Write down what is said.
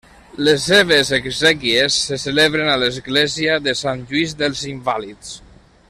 Les seves exèquies se celebren a l'Església de Sant Lluís dels Invàlids.